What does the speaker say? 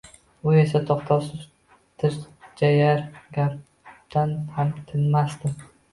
U esa toʻxtovsiz tirjayar, gapdan ham tinmasdi.